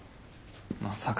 まさか。